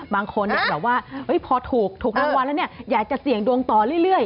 บางคนแบบว่าพอถูกรางวัลแล้วเนี่ยอยากจะเสี่ยงดวงต่อเรื่อย